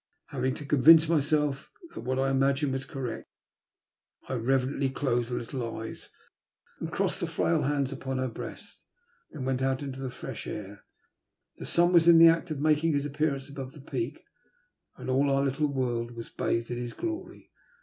Having convinced myself that what I imagined was correcti I 180 THE LUST OF flATE. reverently closed the little eyes and crossed the frail hands upon her breast, and then went out into the fresh air. The sun was in the act of making his appearance above the peak, and all our little world was bathed in his glory.